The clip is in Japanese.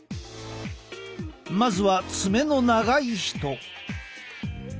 まずは爪の長い人。